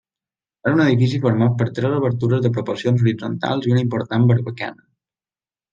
És un edifici format per tres obertures de proporcions horitzontals i una important barbacana.